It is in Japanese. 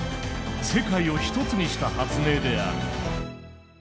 世界を１つにした発明である。